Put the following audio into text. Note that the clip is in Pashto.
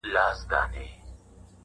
o غل په غره کي ځاى نه لري!